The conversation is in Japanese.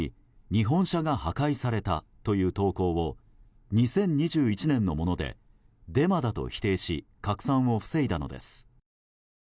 日本車が破壊されたという投稿を２０２１年のものでデマだと否定し拡散を防いだのです。